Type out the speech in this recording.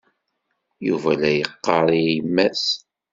Yuba la yeɣɣar i yemma-s.